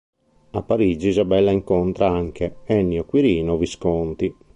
A Parigi Isabella incontra anche Ennio Quirino Visconti.